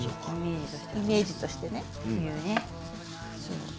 イメージとしてね。